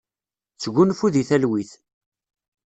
Sgunfu deg talwit.